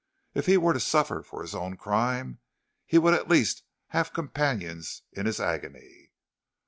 If he were to suffer for his own crime, he would at least have companions in his agony.